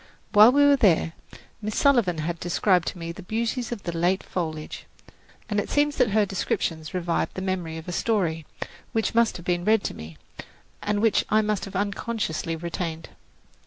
While we were there, Miss Sullivan had described to me the beauties of the late foliage, and it seems that her descriptions revived the memory of a story, which must have been read to me, and which I must have unconsciously retained.